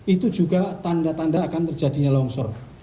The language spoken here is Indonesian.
itu juga tanda tanda akan terjadinya longsor